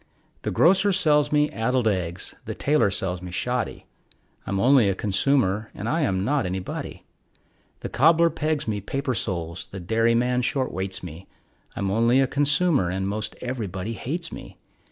The grocer sells me addled eggs; the tailor sells me shoddy, I'm only a consumer, and I am not anybody. The cobbler pegs me paper soles, the dairyman short weights me, I'm only a consumer, and most everybody hates me.